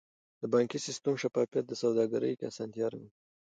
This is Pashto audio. د بانکي سیستم شفافیت په سوداګرۍ کې اسانتیاوې راولي.